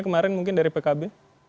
kemarin mungkin dari pkb